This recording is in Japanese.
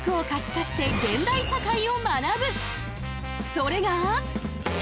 それが。